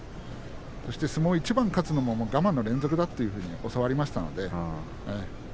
そして相撲を一番勝つのも我慢の連続だというふうに教わりましたので。